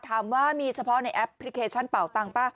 ถามว่ามีเฉพาะในแอปพลิเคชันเป่าตังค์ป่ะ